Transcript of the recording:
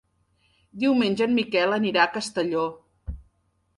Diumenge en Miquel irà a Castelló.